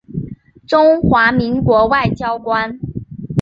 中华民国外交官。